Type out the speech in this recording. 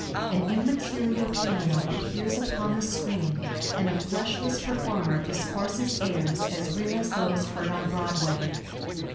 An immaterial piano appears upon the screen and a fleshless performer discourses airs as real as those heard on Broadway.